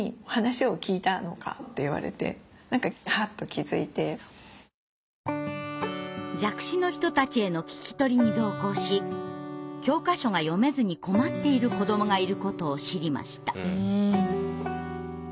きっかけは弱視の人たちへの聞き取りに同行し教科書が読めずに困っている子どもがいることを知りました。